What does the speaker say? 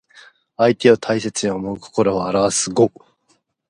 相手を大切に思う心をあらわす語。